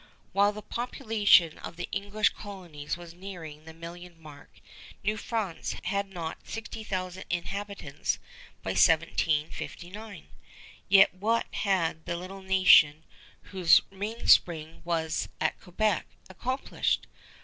While the population of the English colonies was nearing the million mark, New France had not 60,000 inhabitants by 1759. Yet what had the little nation, whose mainspring was at Quebec, accomplished?